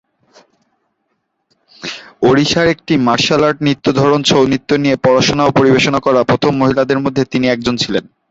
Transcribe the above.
ওড়িশার একটি martial art নৃত্য ধরন ছৌ নৃত্য নিয়ে পড়াশুনা ও পরিবেশনা করা প্রথম মহিলাদের মধ্যে তিনি একজন ছিলেন।